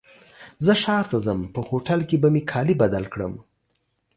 زه ښار ته ځم په هوټل کي به مي کالي بدل کړم.